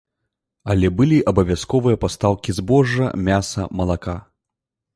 Але былі абавязковыя пастаўкі збожжа, мяса, малака.